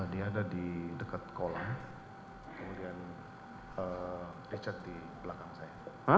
dia ada di dekat kolam kemudian richard di belakang saya